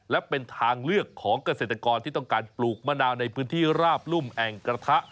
และเป็นทางเลือกของเกษตรกรที่ต้องการปลูกมะนาวในพื้นที่ราบรุ่มแอ่งกระทะ